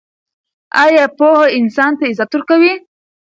آیا پوهه انسان ته عزت ورکوي؟